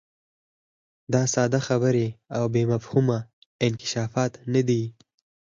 دا ساده خبرې او بې مفهومه انکشافات نه دي.